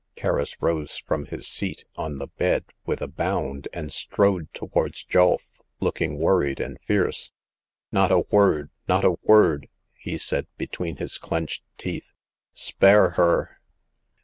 Kerris rose from his seat on the bed with a bound, and strode towards Julf, looking worried and fierce. " Not a word ! not a word !" he said, between his clenched teeth. Spare her